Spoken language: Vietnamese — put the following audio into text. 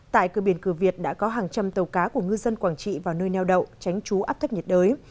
tại cửa biển cửa việt đã có hàng trăm tàu cá của ngư dân quảng trị vào nơi neo đậu tránh trú áp thấp nhiệt đới